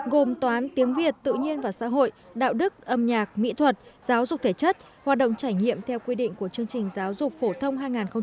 gồm toán tiếng việt tự nhiên và xã hội đạo đức âm nhạc mỹ thuật giáo dục thể chất hoạt động trải nghiệm theo quy định của chương trình giáo dục phổ thông hai nghìn một mươi tám